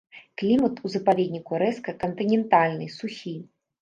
Клімат у запаведніку рэзка кантынентальны, сухі.